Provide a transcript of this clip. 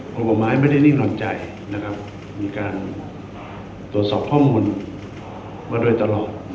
ห่วงกฎหมายไม่ได้นิ่งกว่าใจมีการตรวจสอบข้อมูลมาด้วยตลอด